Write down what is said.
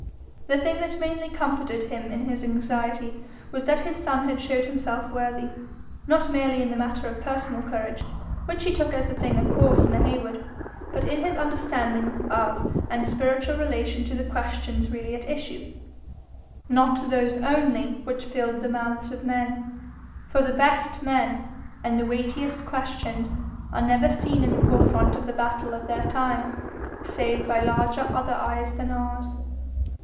The thing that mainly comforted him in his anxiety was that his son had showed himself worthy, not merely in the matter of personal courage, which he took as a thing of course in a Heywood, but in his understanding of and spiritual relation to the questions really at issue, not those only which filled the mouths of men. For the best men and the weightiest questions are never seen in the forefront of the battle of their time, save by "larger other eyes than ours."